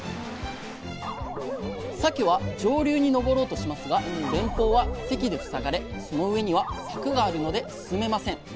さけは上流に上ろうとしますが前方は堰で塞がれその上には柵があるので進めません。